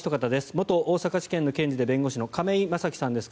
元大阪地検の検事で弁護士の亀井正貴さんです。